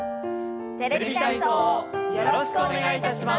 「テレビ体操」をよろしくお願いいたします！